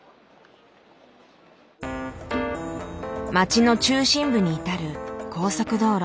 街の中心部に至る高速道路。